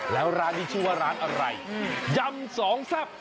แล้วร้านนี้ชื่อว่าร้านอะไรยำสองแซ่บ